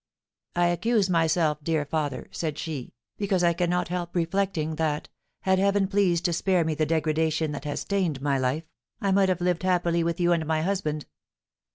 "I accuse myself, dear father," said she, "because I cannot help reflecting that, had Heaven pleased to spare me the degradation that has stained my life, I might have lived happily with you and my husband.